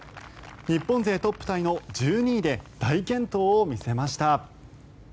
日本勢トップタイの１２位で大健闘を見せました。